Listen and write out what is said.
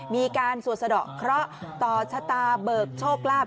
มีการสวดสะดอกเคราะห์ต่อชะตาเบิกโชคลาภ